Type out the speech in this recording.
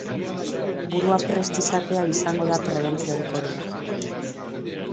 Burua prest izatea izango da prebentziorik onena.